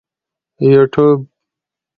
یوټیوب